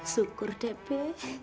syukur deh be